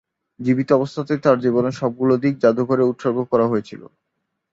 জীবিত অবস্থাতেই তার জীবনের সবগুলো দিক জাদুঘরে উৎসর্গ করা হয়েছিল।